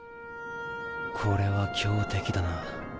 これは強敵だな